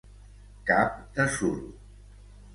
Cap de suro.